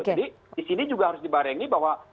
jadi di sini juga harus dibarengi bahwa